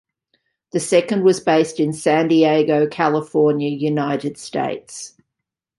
The second was based in San Diego, California, United States.